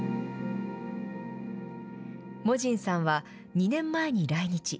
モジンさんは２年前に来日。